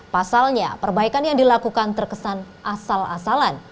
pasalnya perbaikan yang dilakukan terkesan asal asalan